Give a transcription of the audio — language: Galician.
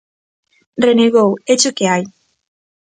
Renegou, ¡Éche o que hai!